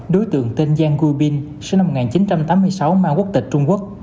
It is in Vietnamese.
đối tượng tên giang gubin sinh năm một nghìn chín trăm tám mươi sáu mang quốc tịch trung quốc